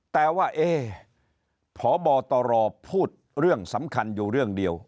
แต่ว่าเอ๊พบตรพูดเรื่องสำคัญอยู่เรื่องเดียว